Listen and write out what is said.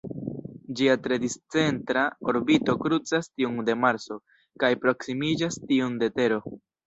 Ĝia tre discentra orbito krucas tiun de Marso, kaj proksimiĝas tiun de Tero.